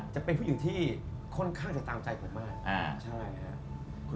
จะเป็นผู้หญิงที่ค่อนข้างจะตามใจผมมากใช่ครับ